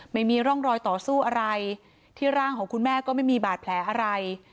ไม่มีร่องรอยต่อสู้อะไรที่ร่างของคุณแม่ก็ไม่มีบาดแผลอะไร